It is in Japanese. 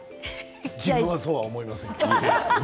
自分はそうは思いませんけれども。